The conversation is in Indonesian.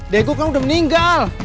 diego kan udah meninggal